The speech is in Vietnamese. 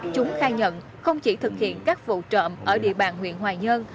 chúng khai nhận không chỉ thực hiện các vụ trộm ở địa bàn huyện hoài nhơn